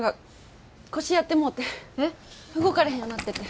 動かれへんようなってて。